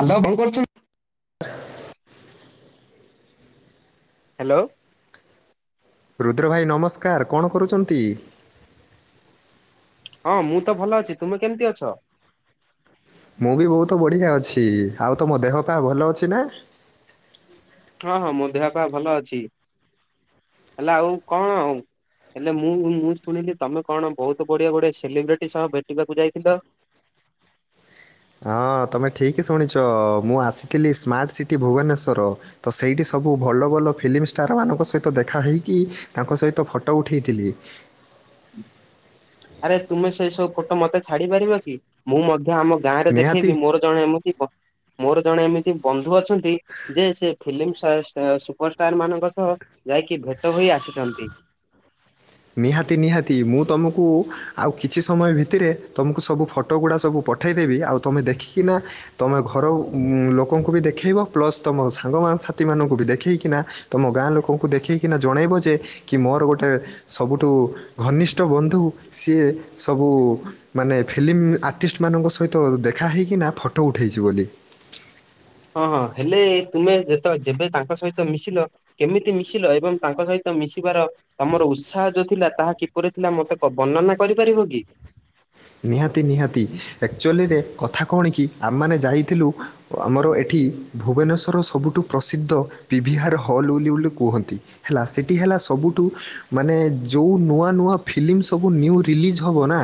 Hello କଣ କରୁଛନ୍ତି? Hello. ରୁଦ୍ରଭାଇ ନମସ୍କାର କଣ କରୁଛନ୍ତି। ହଁ ମୁଁ ତ ଭଲ ଅଛି ତୁମେ କେମିତି ଅଛ? ମୁଁ ବି ବହୁତ ବଢ଼ିଆ ଅଛି ଆଉ ତମ ଦେହ ପା ଭଲ ଅଛି ନା? ହଁ ହଁ ମୋ ଦେହ ପା ଭଲ ଅଛି ହେଲା ଆଉ କଣ ହେଲେ ମୁଁ ମୁଁ ଶୁଣିଲି ତମେ କଣ ବହୁତ ବଢିଆ ଗୋଟେ ସେଲିବ୍ରିଟି ସହ ଭେଟିବାକୁ ଯାଇଥିଲ? ହଁ ତମେ ଠିକ ଶୁଣିଛ ମୁଁ ଆସିଥିଲି ସ୍ମାର୍ଟ ସିଟି ଭୁବନେଶ୍ଵର ତ ସେଇଠି ସବୁ ଭଲ ଭଲ ଫିଲ୍ମ ଷ୍ଟାର ମାନଙ୍କ ସହିତ ଦେଖା ହୋଇକି ତାଙ୍କ ସହିତ ଫଟୋ ଉଠାଇଥିଲି। ଆରେ ତୁମେ ସେଇ ସବୁ ଫଟୋ ମତେ ଛାଡି ପାରିବ କି ମୁଁ ମଧ୍ୟ ଆମ ଗାଁ ରେ ନିହାତି ଦେଖେଇବି ମୋର ଜଣେ ଏମିତି ମୋର ଜଣେ ଏମିତି ବନ୍ଧୁ ଅଛନ୍ତି ଯେ ସେ ଫିଲ୍ମ ଅର୍ଷ୍ଟାର୍ ମାନଙ୍କ ସହ ଯାଇକି ଭେଟ ହୋଇ ଆସିଛନ୍ତି ନିହାତି ନିହାତି ମୁଁ ତମକୁ ଆଉ କିଛି ସମୟ ଭିତିରେ ତମକୁ ସବୁ ଫ ଫଟ ଗୁଡ଼ା ସବୁ ପଠେଇଦେବି ଆଉ ତମେ ଦେଖିକିନା ତମେ ଘର ଉଁ ଲୋକଙ୍କୁ ବି ଦେଖାଇବ ପ୍ଲସ୍ ତମ ସାଙ୍ଗ ମା ସାଥିମାନଙ୍କୁ ବି ଦେଖେଇକିନା ତମ ଗାଁ ଲୋକଙ୍କୁ ଦେଖେଇକିନା ଜଣେଇବ ଯେ କି ମୋର ଗୋଟେ ସବୁଠୁ ଘନିଷ୍ଠ ବନ୍ଧୁ ସିଏ ସବୁ ମାନେ ଫିଲିମ୍ ଆର୍ଟିଷ୍ଟ ମାନଙ୍କ ସହିତ ଦେଖାହଇକିନା ଫଟୋ ଉଠେଇଚି ବୋଲି ହଁ ହଁ ହେଲେ ତୁମେ ଯେତେ ଯେବେ ତାଙ୍କ ସହିତ ମିଶିଲ କେମିତି ମିଶିଲ ଏବଂ ତାଙ୍କ ସହିତ ମିଶିବାର ତମର ଉତ୍ସାହ ଯୋ ଥିଲା ତାହା କିପରି ଥିଲା ମତେ ବ ବର୍ଣ୍ଣନା କରିପାରିବ କି ନିହାତି ନିହାତି ଆକ୍ଚୁଲିରେ କଥା କଣ କି ଆମାନେ ଯାଇଥିଲୁ ଆମର ଏଠି ଭୁବନେଶ୍ୱର ସବୁଠୁ ପ୍ରସିଦ୍ଧ ପିଭିହାର ହଲ୍ ବୋଲି ବୋଲି କୁହନ୍ତି ହେଲା ସେଠି ହେଲା ସବୁଠୁ ମାନେ ଯୋଉ ନୂଆ ନୂଆ ଫିଲିମ ସବୁ ନିଉ ରିଲିଜ୍ ହେବ ନା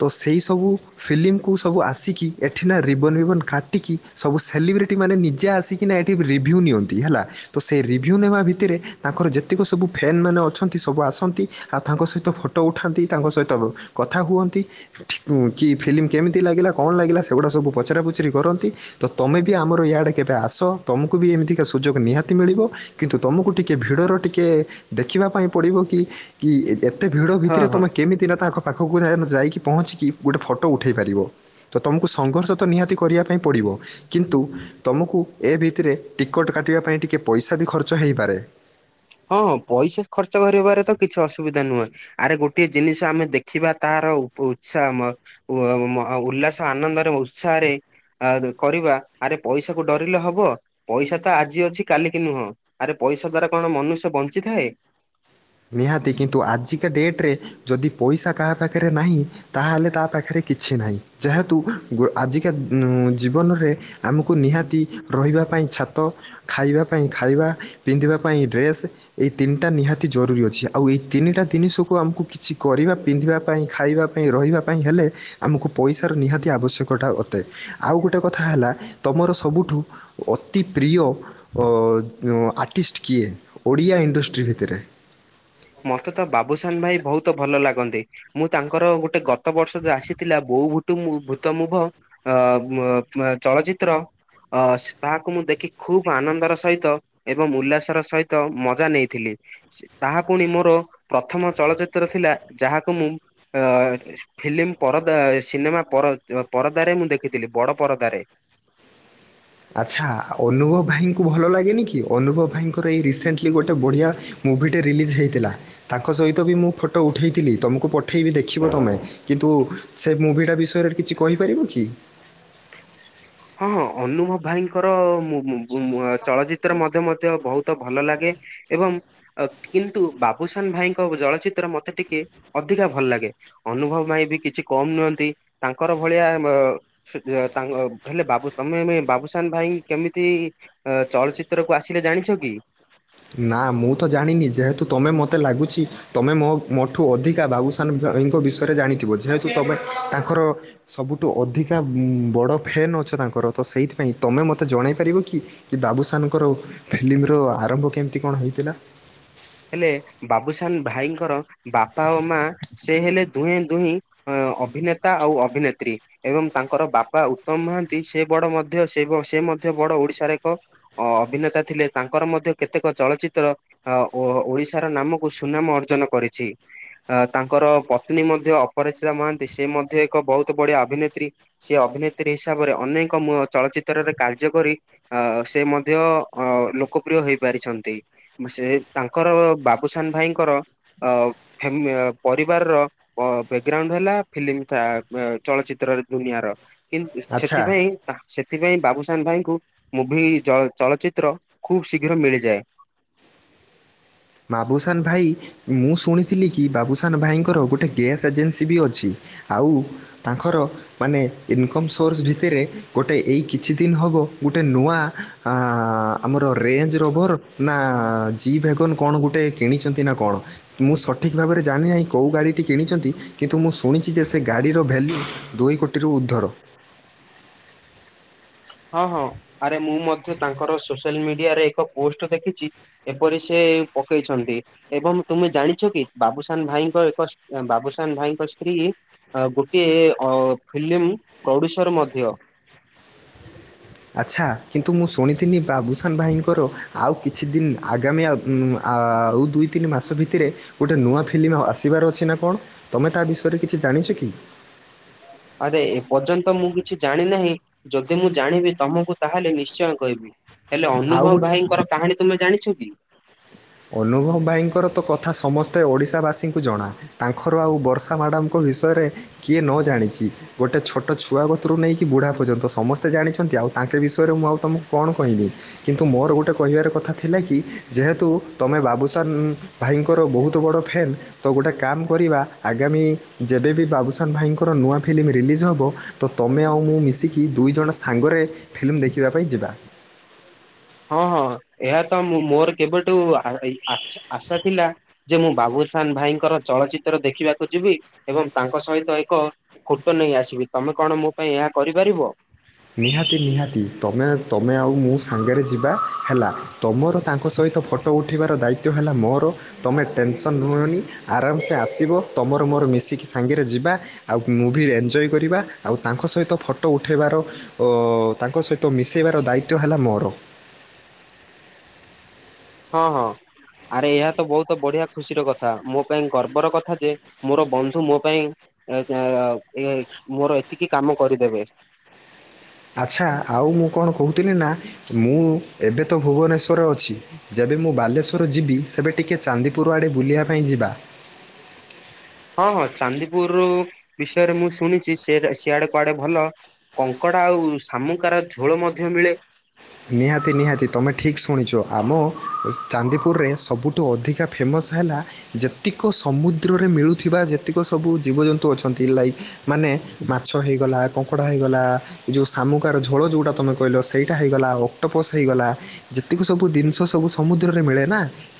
ତ ସେଇ ସବୁ ଫିଲୀମ କୁ ସବୁ ଆସିକି ଏଠି ନା ରିବନ ବିବନ କାଟିକି ସବୁ ସେଲିବ୍ରିଟି ମାନେ ନିଜେ ଆସିକିନା ଏଇଠି ରିଭ୍ୟୁ ନିଅନ୍ତି ହେଲା ତ ସେ ରିଭ୍ୟୁ ନେବା ଭିତିରେ ତାଙ୍କର ଯେତିକ ସବୁ ଫ୍ୟନ୍ ମାନେ ଅଛନ୍ତି ସବୁ ଆସନ୍ତି ଆ ତାଙ୍କ ସହିତ ଫଟୋ ଉଠାନ୍ତି ତାଙ୍କ ସହିତ ବ କଥା ହୁଅନ୍ତି ଥୀକୁ କି ଫିଲ୍ମ କେମିତି ଲାଗିଲା କଣ ଲାଗିଲା ସେଗୁଡ଼ା ସବୁ ପଚରା ପୁଚରି କରନ୍ତି ତ ତମେ ବି ଆମର ଇଆଡେ କେବେ ଆସ ତମକୁ ବି ଏମିତିକା ସୁଯୋଗ ନିହାତି ମିଳିବ କିନ୍ତୁ ତମକୁ ଟିକେ ଭିଡର ଟିକେ ଦେଖିବା ପାଇଁ ପଡିବ କି କି ଏ ଏତେ ଭିଡ ହଁ ଭିତରେ ହଁ ତମେ କେମିତି ନା ତାଙ୍କ ପାଖକୁ ଯା ଯାଇକି ପହଞ୍ଚି କି ଗୋଟେ ଫଟୋ ଉଠେଇ ପାରିବ ତ ତୁମକୁ ସଂଘର୍ଷ ତ ନିହାତି କରିବା ପାଇଁ ପଡ଼ିବ କିନ୍ତୁ ତୁମକୁ ଏ ଭିତିରେ ଟିକଟ୍ କାଟିବା ପାଇଁ ଟିକିଏ ପଇସା ବି ଖର୍ଚ୍ଚ ହେଇପାରେ ହଁଁ ପଇସା ଖର୍ଚ୍ଚ କରିବାରେ ତ କିଛି ଅସୁବିଧା ନୁହେଁ ଆରେ ଗୋଟେ ଜିନିଷ ଆମେ ଦେଖିବା ତାର ଉତ୍ସା ମ ଓ ମ ଉଲ୍ଲାସ ଆନନ୍ଦରେ ଉତ୍ସାହରେ ଆଦ୍ କରିବା ଆରେ ପଇସାକୁ ଡରିଲେ ହବ ପଇସା ତ ଆଜି ଅଛି କାଲିକି ନୁହଁ ଆରେ ପଇସା ଦ୍ଵାରା କଣ ମନୁଷ୍ୟ ବଞ୍ଚିଥାଏ ନିହାତି କିନ୍ତୁ ଆଜିକା ଡେଟ୍ରେ ଯଦି ପଇସା କାହା ପାଖରେ ନାହିଁ ତାହେଲେ ତା ପାଖରେ କିଛି ନାହିଁ ଯେହେତୁ ଉ ଆଜିକା ଉଁ ଜୀବନରେ ଆମକୁ ନିହାତି ରହିବା ପାଇଁ ଛାତ ଖାଇବା ପାଇଁ ଖାଇବା ପିନ୍ଧିବା ପାଇଁ ଡ୍ରେସ ଏଇ ତିନିଟା ନିହାତି ଅତି ଜରୁରୀ ଅଛି ଆଉ ଏଇ ତିନିଟା ଜିନିଷକୁ ଆମକୁ କିଛି କରିବା ପିନ୍ଧିବା ପାଇଁ ଖାଇବା ପାଇଁ ରହିବା ପାଇଁ ହେଲେ ଆମକୁ ପଇସାର ନିହାତି ଆବଶ୍ୟକଟା ଅଟେ ଆଉ ଗୋଟେ କଥା ହେଲା ତମର ସବୁଠୁ ଅତି ପ୍ରିୟ ଅ ଆର୍ଟିଷ୍ଟ କିଏ ଓଡ଼ିଆ ଇଣ୍ଡଷ୍ଟ୍ରି ଭିତରେ ମତେ ତ ବାବୁସାନ ଭାଇ ବହୁତ ଭଲ ଲାଗନ୍ତି ମୁଁ ତାଙ୍କର ଗୋଟେ ଗତ ବର୍ଷ ଯୋ ଆସିଥିଲା ବୋଉ ଭୂ ତୁମୁ ଭୂତ ମୁୁଭ ଅ ଓ ଓ ଚଳଚିତ୍ର ଅସ୍ ତାହାକୁ ମୁଁ ଦେଖି ଖୁବ୍ ଆନନ୍ଦର ସହିତ ଏବଂ ଉଲ୍ଲାସର ସହିତ ମଜା ନେଇଥିଲି ସେ ତାହା ପୁଣି ମୋର ପ୍ରଥମ ଚଳଚିତ୍ର ଥିଲା ଯାହାକୁ ମୁଁ ଅ ଫିଲିମ୍ ପରଦା ସିନେମା ପର ପରଦାରେ ମୁଁ ଦେଖିଥିଲି ବଡ ପରଦାରେ ଆଚ୍ଛା ଅନୁଭବ ଭାଇଙ୍କୁ ଭଲ ଲାଗେନି କି ଅନୁଭବ ଭାଇଙ୍କର ଏଇ ରିସେଣ୍ଟଲି ଗୋଟେ ବଢ଼ିଆ ମୁଭି ଟେ ରିଲିଜ୍ ହେଇଥିଲା ତାଙ୍କ ସହିତ ବି ମୁଁ ଫଟୋ ଉଠେଇଥିଲି ତମକୁ ପଠେଇବି ଦେଖିବ ତମେ କିନ୍ତୁ ସେ ମୁଭିଟା ବିଷୟରେ କିଛି କହିପାରିବୁ କି? ହଁ ହଁ ଅନୁଭବ ଭାଇଙ୍କର ମୁଗ୍ ମୁଗ୍ ମୁ ମୁଗ୍ ଚଳଚିତ୍ର ମଧ୍ୟ ମଧ୍ୟ ବୋହୁତ ତ ଭଲ ଲାଗେ ଏବଂ ଅ କିନ୍ତୁ ବାବୁସାନ ଭାଇଙ୍କ ଚଳଚିତ୍ର ମତେ ଟିକେ ଅଧିକା ଭଲ ଲାଗେ ଅନୁଭବ ଭାଇ ବି କିଛି କମ୍ ନୁହନ୍ତି ତାଙ୍କର ଭଳିଆ [unintelligible] ତାଙ୍କ ହେଲେ ବାବୁ ତମେ ଏବେ ବାବୁସାନ ଭାଇଙ୍କୁ କେମିତି ଚଳଚ୍ଚିତ୍ର କୁ ଆସିଲେ ଜାଣିଛ କି? ନା ମୁଁ ତ ଜାଣିନି ଯେହେତୁ ତମେ ମୋତେ ଲାଗୁଛି ତମେ ମୋ ମୋଠୁ ଅଧିକା ବାବୁସାନ ଭାଇଙ୍କ ବିଷୟରେ ଜାଣିଥିବ ଯେହେତୁ ତମେ ତାଙ୍କର ସବୁଠୁ ଅଧିକା ବଡ଼ ଫେନ୍ ଅଛ ତାଙ୍କର ତ ସେଇଥିପାଇଁ ତମେ ମୋତେ ଜଣାଇ ପାରିବ କି? କି ବାବୁସାନଙ୍କର ଫିଲ୍ମର ଆରମ୍ଭ କେମତି କଣ ହେଇଥିଲା? ହେଲେ ବାବୁସାନ ଭାଇଙ୍କର ବାପା ଓ ମା ସେ ହେଲେ ଦୁହେଁ ଦୁହିଁ ଅ ଅଭିନେତା ଆଉ ଅଭିନେତ୍ରୀ ଏବଂ ତାଙ୍କର ବାପା ଉତ୍ତମ ମହାନ୍ତି ସେ ବଡ ମଧ୍ୟ ସେ ବ ସେ ମଧ୍ୟ ବଡ ଓଡିଶାରେ ଏକ ଅ ଅଭିନେତା ଥିଲେ ତାଙ୍କର ମଧ୍ୟ କେତେକ ଚଳଚିତ୍ର ଓ ଓଡିଶାର ନାମକୁ ସୁନାମ ଅର୍ଜନ କରିଛି ଅ ତାଙ୍କର ପତ୍ନୀ ମଧ୍ୟ ଅପରାଚିତା ମହାନ୍ତି ସେ ମଧ୍ୟ ଏକ ବହୁତୁ ବଢିଆ ଅଭିନେତ୍ରୀ ସେ ଅଭିନେତ୍ରୀ ହିସାବରେ ଅନେକ ମୁ ଚଳଚିତ୍ରରେ କାର୍ଯ୍ୟ କରି ଅ ସେ ମଧ୍ୟ ଅ ଲୋକପ୍ରିୟ ହେଇପାରିଛନ୍ତି ସେ ତାଙ୍କର ବାବୁସାନ ଭାଇଙ୍କର ଅ ଫେମ୍ ପରିବାରର ପ ବ୍ୟାକଗ୍ରାଉଣ୍ଡ ହେଲା ଫିଲ୍ମ ଚା ଚଳଚିତ୍ର ଦୁନିଆର କିନ୍ତୁ ଆଚ୍ଛା ସେଥିପାଇଁ ତା ସେଥିପାଇଁ ବାବୁସାନ ଭାଇଙ୍କୁ ମୁଭି ଚଳ ଚଳଚ୍ଚିତ୍ର ଖୁବ୍ ଶୀଘ୍ର ମିଳିଯାଏ। ବାବୁସାନ ଭାଇ ମୁଁ ଶୁଣିଥିଲି କି ବାବୁସାନ ଭାଇଙ୍କର ଗୋଟେ ଗେସ୍ ଏଜେନ୍ସି ବି ଅଛି। ଆଉ ତାଙ୍କର ମାନେ ଇନକମ୍ ସୋର୍ସ ଭିତରେ ଗୋଟେ ଏଇ କିଛି ଦିନ ହେବ ଗୋଟେ ନୂଆ ଆମର ରେଞ୍ଜ ରୋଭର୍ ନା ଜି ଭେଗନ୍ କଣ ଗୋଟେ କିଣିଛନ୍ତି ନା କଣ। ମୁଁ ସଠିକ୍ ଭାବରେ ଜାଣିିନାହିଁ କୋଉ ଗାଡ଼ିଟି କିଣିଛନ୍ତି କିନ୍ତୁ ମୁଁ ଶୁଣିଛି ଯେ ସେ ଗାଡ଼ିର ଭ୍ୟାଲ୍ୟୁ ଦୁଇ କୋଟି। ଟିରୁ ଉଦ୍ଧର ହଁ ହଁ ଆରେ ମୁଁ ମଧ୍ୟ ତାଙ୍କର ସୋସିଆଲ ମିଡିଆରେ ଏକ ପୋଷ୍ଟ ଦେଖିଚି ଏପରି ସେ ପକେଇଛନ୍ତି। ଏବଂ ତୁମେ ଜାଣିଛ କି ବାବୁସାନ ଭାଇଙ୍କ ଏକ ବାବୁସାନ ଭାଇଙ୍କ ସ୍ତ୍ରୀ ଆ ଗୋଟଏ ଅ ଫିଲ୍ମ ପ୍ରଡୁସର ମଧ୍ୟ। ଆଚ୍ଛା କିନ୍ତୁ ମୁଁ ଶୁଣିଥିନି ବାବୁସାନ ଭାଇଙ୍କର ଆଉ କିଛି ଦିନ ଆଗାମୀ ଆଉ ଉଁ ଆଉ ଦୁଇ ତିନି ମାସ ଭିତରେ ଗୋଟେ ନୂଆ ଫି ଫିଲ୍ମ ଆସିବାର ଅଛି ନା କଣ ତୁମେ ତା ବିଷୟରେ କିଛି ଜାଣିଛ କି? ଆରେ ଏପର୍ଯ୍ୟନ୍ତ ମୁଁ କିଛି ଜାଣି ନାହିଁ। ଯଦି ମୁଁ ଜାଣିବି ତମକୁ ତାହେଲେ ନିଶ୍ଚୟ କହିବି। ହେଲେ ଆଉ ଅନୁଭବ ଗୋଟେ ଭାଇଙ୍କର କାହାଣୀ ତୁମେ ଜାଣିଛ କି। ଅନୁଭବ ଭାଇଙ୍କର ତ କଥା ସମସ୍ତେ ଓଡ଼ିଶାବାସୀଙ୍କୁ ଜଣା। ତାଙ୍କର ଆଉ ବର୍ଷା ମ୍ୟାଡ଼ାମଙ୍କ ବିଷୟରେ କିଏ ନ ଜାଣିଛି। ଗୋଟେ ଛୋଟ ଛୁଆ ଗତୁରୁ ନେଇକି ବୁଢ଼ା ପର୍ଯ୍ୟନ୍ତ ସମସ୍ତେ ଜାଣିଛନ୍ତି ଆଉ ତାଙ୍କେ ବିଷୟରେ ମୁଁ ଆଉ ତମକୁ କଣ କହିବି। କିନ୍ତୁ ମୋର ଗୋଟେ କହିବାର କଥା ଥିଲା କି ଯେହେତୁ ତୁମେ ବାବୁସାନ ଭାଇଙ୍କର ବୋହୁତ ବଡ଼ ଫେନ୍ ତ ଗୋଟେ କାମ କରିବା ଆଗାମୀ ଯେବେବି ବାବୁସାନ ଭାଇଙ୍କର ନୂଆ ଫିଲ୍ମ ରିଲିଜ୍ ହେବ। ତ ତମେ ଆଉ ମୁଁ ମିଶିକି ଦୁଇ ଜଣ ସାଙ୍ଗରେ ଫିଲ୍ମ ଦେଖିବା ପାଇଁ ଯିବା। ହଁ ହଁ ଏହା ତ ମୋର କେବେଠୁ ଆଶା ଥିଲା। ଯେ ମୁଁ ବାବୁସାନ୍ ଭାଇଙ୍କର ଚଳଚିତ୍ର ଦେଖିବାକୁ ଯିବି ଏବଂ ତାଙ୍କ ସହିତ ଏକ ଫୋଟୋ ନେଇ ଆସିବି ତମେ କଣ ମୋ ପାଇଁ ଏହା କରିପାରିବ? ନିହାତି ନିହାତି ତମେ ତମେ ଆଉ ମୋ ସାଙ୍ଗରେ ଯିବା ହେଲା ତମର ତାଙ୍କ ସହିତ ଫଟୋ ଫଟ ଉଠିବାର ଦାୟିତ୍ୱ ହେଲା ମୋର ତୁମେ ଟେନସନ୍ ନୁହଁନି ଆରାମସେ ଆସିବ ତମର ମୋର ମିଶିକି ସାଙ୍ଗରେ ଯିବା ଆଉ ମୁଭି ଏନ୍ଜୟ କରିବା ଆଉ ତାଙ୍କ ସହିତ ଫଟୋ ଉଠାଇବାର ଅ ତାଙ୍କ ସହିତ ମିଶେଇବାର ଦାୟିତ୍ୱ ହେଲା ମୋର। ହଁ ହଁ ଆରେ ଏହା ତ ବହୁତ ବଢିଆ ଖୁସିର କଥା ମୋ ପାଇଁ ଗର୍ବର କଥା ଯେ ମୋର ବନ୍ଧୁ ମୋ ପାଇଁ ମୋର ଏତିକି କାମ କରିଦେବେ। ଆଚ୍ଛା ଆଉ ମୁଁ କଣ କହୁଥିଲି ନା ମୁଁ ଏବେ ତ ଭୁବନେଶ୍ୱରରେ ଅଛି। ଯେବେ ମୁଁ ବାଲେଶ୍ୱର ଯିବି ସେବେ ଟିକେ ଚାନ୍ଦିପୁର ଆଡ଼େ ବୁଲିବା ପାଇଁ ଯିବା। ହଁ ହଁ ଚାନ୍ଦିପୁର ବିଷୟରେ ମୁଁ ଶୁଣିଛି ସେ ସିଆଡେ କୁଆଡେ ଭଲ। କଙ୍କଡ଼ା ଆଉ ଶାମୁକାର ଝୋଳ ମଧ୍ୟ ମିଳେ। ନିହାତି ନିହାତି ତୁମେ ଠିକ୍ ଶୁଣିଛ ଆମ ଚାନ୍ଦିପୁରରେ ସବୁଠୁ ଅଧିକା ଫେମସ୍ ହେଲା ଯେତିକ ସମୁଦ୍ରରେ ମିଳୁଥିବା ଯେତିକ ସବୁ ଜୀବଜନ୍ତୁ ଅଛନ୍ତି ଲାଇକ୍ ମାନେ ମାଛ ହେଇଗଲା କଙ୍କଡ଼ା ହେଇଗଲା ଏ ଯେଉଁ ଶାମୁକାର ଝୋଳ ଯେଉଁଟା ତୁମେ କହିଲ ସେଇଟା ହେଇ ଗଲା ଅକ୍ଟୋପସ ହେଇଗଲା ଯେତିକି ସବୁ ଜିନିଷ ସବୁ ସମୁଦ୍ରରେ ମିଳେ ନା।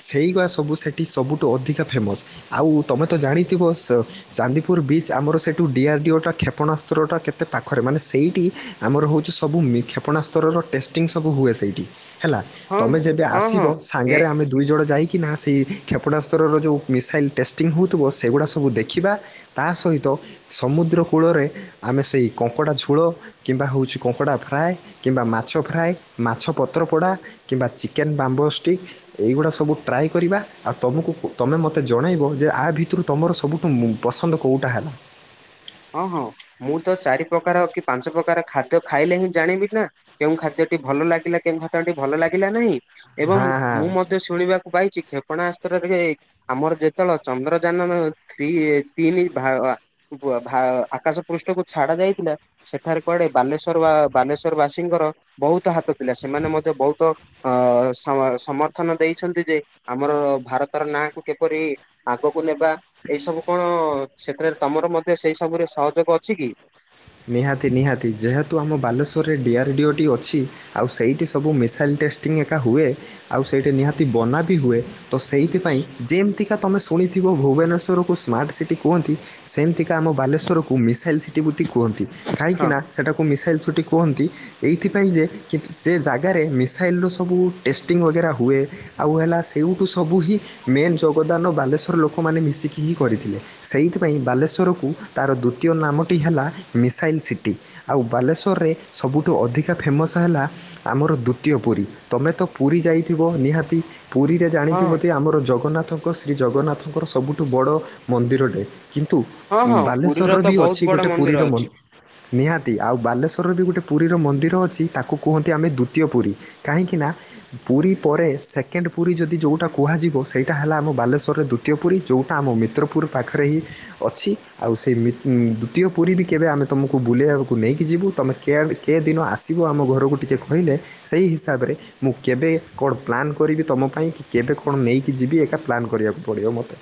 ସେଇଗୁଆ ସବୁ ସେଠି ସବୁଠୁ ଅଧିକା ଫେମସ ଆଉ ତମେ ତ ଜାଣିଥିବ ଚାନ୍ଦିପୁର ବିଚ୍ ଆମର ସେଇଠୁ ଡିଆର୍ ଡିଓଟା କ୍ଷେପଣାସ୍ତ୍ରଟା କେତେ ପାଖରେ ମାନେ ସେଇଠି ଆମର ହେଉଛି ସବୁ କ୍ଷେପଣାସ୍ତରର ଟେଷ୍ଟିଙ୍ଗ ସବୁ ହୁଏ ସେଇଠି। ହେଲା ହଁ ତମେ ଯେବେ ହଁ ଆସିବ ହଁ ଏ ସାଙ୍ଗରେ ଆମେ ଦୁଇ ଜଣ ଯାଇକିନା ସେଇ କ୍ଷେପଣାସ୍ତ୍ରର ଯେଉଁ ମିସାଇଲ୍ ଟେଷ୍ଟିଙ୍ଗ ହେଉଥିବ ସେଗୁଡ଼ା ସବୁ ଦେଖିବା। ତା ସହିତ ସମୁଦ୍ର କୂଳରେ ଆମେ ସେଇ କଙ୍କଡ଼ା ଝୋଳ କିମ୍ବା ହେଉଛି କଙ୍କଡ଼ା ଫ୍ରାଏ କିମ୍ବା ମାଛ ମାଛ ଫ୍ରାଏ ମାଛ ପତ୍ରପୋଡ଼ା କିମ୍ବା ଚିକେନ୍ ବାମ୍ବୋଷ୍ଟିକ ଏଇଗୁଡ଼ା ସବୁ ଟ୍ରାଏ କରିବା ଆଉ ତୁମକୁ ତମେ ମୋତେ ଜଣାଇବ ଯେ ଆ ଭିତରୁ ତୁମର ସବୁଠୁ ପସନ୍ଦ କେଉଁଟା ହେଲା? ହଁ ହଁ ମୁଁ ତ ଚାରି ପ୍ରକାର କି ପାଞ୍ଚ ପ୍ରକାର ଖାଦ୍ୟ ଖାଇଲେ ହିଁ ଜାଣିବି ନା କେଉଁ ଖାଦ୍ୟଟି ଭଲ ଲାଗିଲା କେଉଁ ଖାଦ୍ୟ ଟି ଭଲ ଲାଗିଲା ନାହିଁ ଏବଂ ହଁ ହଁ ମୁଁ ମତେ ଶୁଣିବାକୁ ପାଇଛି କ୍ଷେପଣାସ୍ତ୍ରରେ ଆମର ଯେତେବେଳେ ଚନ୍ଦ୍ରଯାନ ଥ୍ରୀ ତିନି ଭ ଆକାଶ ପୃଷ୍ଠକୁ ଛଡା ଯାଇଥିଲା। ସେଠାରେ କୁଆଡେ ବାଲେଶ୍ଵର ବା ବାଲେଶ୍ୱର ବାସୀଙ୍କର ବହୁତ ହାତ ଥିଲା ସେମାନେ ମଧ୍ୟ ବହୁତ ଅ ସମ ସମର୍ଥନ ଦେଇଛନ୍ତି ଯେ ଆମର ଭାରତର ନାଁ କୁ କିପରି ଆଗକୁ ନେବା ଏଇ ସବୁ କଣ ସେଥିରେ ତମର ମଧ୍ୟ ସେଇ ସବୁରେ ସହଯୋଗ ଅଛି କି ନିହାତି ନିହାତି ଯେହେତୁ ଆମ ବାଲେଶ୍ଵରରେ ଡିଆର ଡିଓ ଟି ଅଛି। ଆଉ ସେଇଠି ସବୁ ମିସାଇଲ ଟେଷ୍ଟିଙ୍ଗ ଏକା ହୁଏ ଆଉ ସେଇଠି ନିହାତି ବନା ବି ହୁଏ। ତ ସେଇଥିପାଇଁ ଯେମିତିକା ତୁମେ ଶୁଣିଥିବ ଭୁବନେଶ୍ୱରକୁ ସ୍ମାର୍ଟ ସିଟି କୁହନ୍ତି। ସେମିତିକା ଆମ ବାଲେଶ୍ୱରକୁ ମିସାଇଲ୍ ସିଟି ବ କୁହନ୍ତି ହଁ। କାହିଁକିନା ସେଇଟାକୁ ମିଶାଇଲ୍ ସୁଛୁଟି କୁହନ୍ତି।। ଏଇଥିପାଇଁ ଯେ କି ସେ ଜାଗାରେ ମିସାଇଲ୍ ର ସବୁ ଟେଷ୍ଟିଂ ବଗେରା ହୁଏ। ଆଉ ହେଲା ସେଇଠୁ ସବୁ ହିଁ ମେନ୍ ଯୋଗଦାନ ବାଲେଶ୍ଵର ଲୋକମାନେ ମିଶିକି ହିଁ କରିଥିଲେ ସେଇଥିପାଇଁ ବାଲେଶ୍ଵରକୁ ତାର ଦ୍ୱିତୀୟ ନାମଟି ହେଲା। ମିଶାଇଲ ସିଟି ଆଉ ବାଲେଶ୍ୱରରେ ସବୁଠୁ ଅଧିକା ଫେମସ୍ ହେଲା। ଆମର ଦ୍ୱତୀୟ ପୁରୀ ତମେ ତ ପୁରୀ ଯାଇଥିବ ନିହାତି ପୁରୀ ରେ ହଁ ଜାଣିଥିବ ଯେ ଆମର ଜଗନ୍ନାଥଙ୍କ ଶ୍ରୀ ଜଗନ୍ନାଥଙ୍କର ସବୁଠୁ ବଡ଼ ମନ୍ଦିରଟେ କିନ୍ତୁ ହଁ ହଁ ପୁରୀର ବାଲେଶ୍ୱରରେ ତ ବି ଅଛି ବହୁତ ବଡ ଗୋଟେ ପୁରୀର ମନ୍ଦିର ଅଛି। ମନ୍ଦିର ନିହାତି ଆଉ ବାଲେଶ୍ୱରରେ ବି ଗୋଟେ ପୁରୀର ମନ୍ଦିର ଅଛି ତାକୁ କୁହନ୍ତି ଆମେ ଦ୍ୱତୀୟ ପୁରୀ। କାହିଁକି ନା ପୁରୀ ପରେ ସେକେଣ୍ଡ ପୁରୀ ଯଦି ଯେଉଁଟା କୁହାଯିବ ସେଇଟା ହେଲା ଆମ ବାଲେଶ୍ୱରରେ ଦୁ ତୀୟ ପୁରୀ ଯେଉଁଟା ଆମ ମିତ୍ରପୁର ପାଖରେ ହିଁ ଅଛି ଆଉ ସେଇ ମି ଦ୍ୱତୀୟ ପୁରୀ ବି କେବେ ଆମେ ତୁମକୁ ବୁଲେଇବାକୁ ନେଇକି ଯିବୁ ତୁମେ କେଏ କେ ଦିନ ଆସିବ ଆମ ଘରକୁ ଟିକିଏ କହିଲେ। ସେହି ହିସାବରେ। ମୁଁ କେବେ କଣ ପ୍ଲାନ୍ କରିବି ତମ ପାଇଁ କି କେବେ କଣ ନେଇକି ଯିବି ଏକା ପ୍ଲାନ୍ କରିବାକୁ ପଡ଼ିବ ମୋତେ।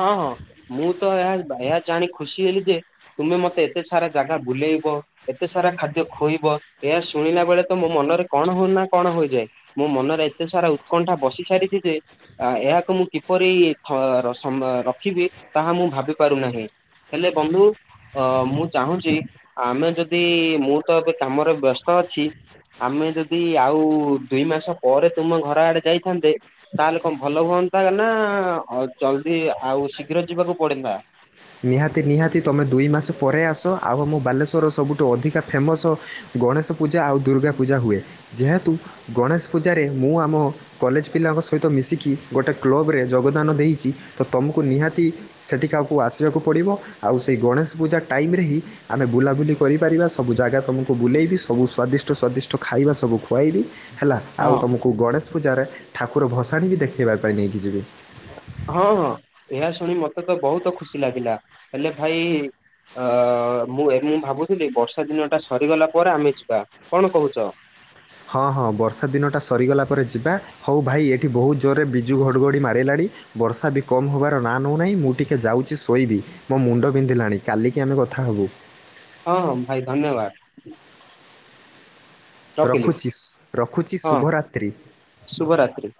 ହଁ ହଁ ମୁଁ ତ ଏହା ଏହା ଜଣି ଖୁସି ହେଲି ଯେ ତୁମେ ମତେ ଏତେ ସାରା ଜାଗା ବୁଲେଇବ। ଏତେ ସାରା ଖାଦ୍ୟ ଖୁଏଇବ ଏହା ଶୁଣିଲା ବେଳେ ତ ମୋ ମନରେ କଣ ହଉନା କଣ ହୋଇଯାଏ। ମୋ ମନରେ ଏତେ ସାରା ଉତ୍କଣ୍ଠା ବସି ସାରିଛି ଯେ ଏହାକୁ ମୁଁ କିପରି ରଖିବି ତାହା ମୁଁ ଭାବି ପାରୁନାହିଁ ହେଲେ ବନ୍ଧୁ ଅ ମୁଁ ଚାହୁଁଛି ଆମେ ଯଦି ମୁଁ ତ ଏବେ କାମରେ ବ୍ୟସ୍ତ ଅଛି। ଆମେ ଯଦି ଆଉ ଦୁଇ ମାସ ପରେ ତୁମ ଘର ଆଡେ ଯାଇଥାନ୍ତେ ତାହେଲେ କଣ ଭଲ ହୁଅନ୍ତା ନା ଜଲଦି ଆଉ ଶୀଘ୍ର ଯିବାକୁ ପଡନ୍ତା। ନିହାତି ନିହାତି ତୁମେ ଦୁଇ ମାସ ପରେ ଆସ ଆଉ ଆମ ବାଲେଶ୍ୱରର ସବୁଠୁ ଅଧିକା ଫେମସ ଗଣେଶ ପୂଜା ଆଉ ଦୁର୍ଗା ପୂଜା ହୁଏ ଯେହେତୁ ଗଣେଶ ପୂଜାରେ ମୁଁ ଆମ କଲେଜ ପିଲାଙ୍କ ସହିତ ମିଶିକି ଗୋଟେ କ୍ଲବରେ ଯୋଗଦାନ ଦେଇଛି ତ ତୁମକୁ ନିହାତି ସେଠିକି ଆକୁ ଆସିବାକୁ ପଡ଼ିବ ଆଉ ସେହି ଗଣେଶ ପୂଜା ଟାଇମ ରେ ହିଁ ଆମେ ବୁଲାବୁଲି କରିପାରିବା ସବୁ ଜାଗା ତୁମକୁ ବୁଲେଇବି ସବୁ ସ୍ୱାଦିଷ୍ଟ ସ୍ୱାଦିଷ୍ଟ ଖାଇବା ସବୁ ଖୁଆଇବି ହେଲା ଆଉ ହଁ ତୁମକୁ ଗଣେଶ ପୂଜାରେ ଠାକୁର ଭସାଣି ବି ଦେଖେଇବା ପାଇଁ ନେଇକି ଯିବି। ହଁ ହଁ ଏହା ଶୁଣି ମତେ ତ ବହୁତ ଖୁସି ଲାଗିଲା ହେଲେ ଭାଇ ଅ ମୁଁ ଭାବୁଥିଲି ବର୍ଷା ଦିନଟା ସରିଗଲା ପରେ ଆମେ ଯିବା କଣ କହୁଛ? ହଁ ହଁ ବର୍ଷା ଦିନଟା ସରିଗଲା ପରେ ଯିବା। ହଉ ଭାଇ ଏଠି ବହୁତ ଜୋରରେ ବିଜୁଳି ଘଡ଼ଘଡ଼ି ମାରିଲାଣି। ବର୍ଷା ବି କମ୍ ହେବାର ନାଁ ନେଉ ନାହିଁ ମୁଁ ଟିକେ ଯାଉଛି ଶୋଇବି। ମୋ ମୁଣ୍ଡ ବିନ୍ଧିଲାଣି କାଲିକି ଆମେ କଥା ହବୁ। ହଁ ଭାଇ ଧନ୍ୟବାଦ। ରଖିଲି ରଖୁଛି ରଖୁଛି ହଁ ଶୁଭରାତ୍ରି। ଶୁଭରାତ୍ରି।